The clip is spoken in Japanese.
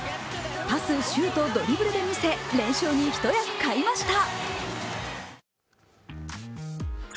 パス、シュート、ドリブルで見せ連勝に一役買いました。